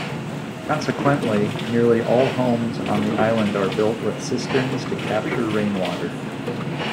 Consequently, nearly all homes on the island are built with cisterns to capture rainwater.